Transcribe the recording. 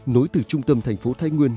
nối từ trung tâm thành phố thái nguyên